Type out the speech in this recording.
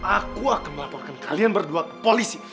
aku akan melaporkan kalian berdua ke polisi